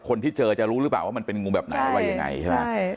คนที่เจอจะรู้หรือเปล่าว่ามันเป็นงูแบบไหนอะไรยังไงใช่ไหม